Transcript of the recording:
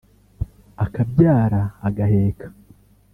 akabyara agaheka